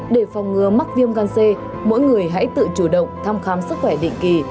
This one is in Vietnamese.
để phòng ngừa mắc viêm gan c mỗi người hãy tự chủ động thăm khám sức khỏe định kỳ